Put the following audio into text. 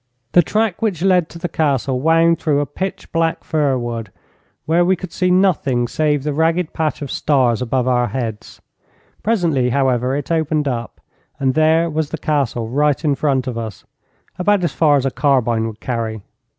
The track which led to the Castle wound through a pitch black fir wood, where we could see nothing save the ragged patch of stars above our heads. Presently, however, it opened up, and there was the Castle right in front of us, about as far as a carbine would carry.